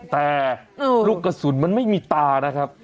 แต่ลูกกระสุนมันไม่มีตานะครับ